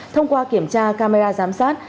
thông qua kiểm tra camera giám sát